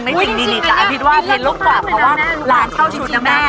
ไม่สิแต่อภิตว่าเกลียดลงกว่าเพราะว่าร้านเท่าชุดนะแม่